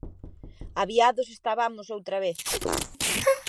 Aviados estabamos outra vez!